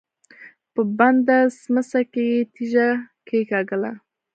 په بنده سمڅه کې يې تيږه کېکاږله.